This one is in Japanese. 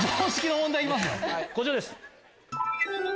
こちらです。